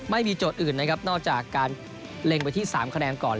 โจทย์อื่นนะครับนอกจากการเล็งไปที่๓คะแนนก่อน